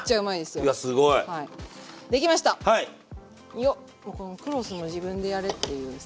よっこのクロスも自分でやれっていうスタイルで。